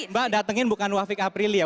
mbak datengin bukan wafik aprilia